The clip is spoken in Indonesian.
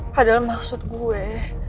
padahal maksud gue